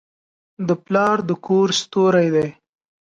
پلار د کور ستوری دی.